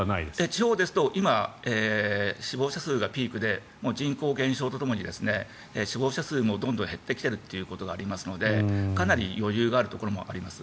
地方ですと今、死亡者数がピークで人口減少とともに死亡者数もどんどん減ってきてるということがありますのでかなり余裕があるところもあります。